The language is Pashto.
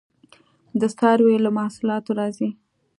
د څارویو له محصولاتو راځي